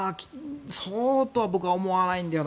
そうとは僕は思わないんだよな。